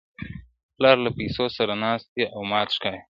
پلار له پوليسو سره ناست دی او مات ښکاري-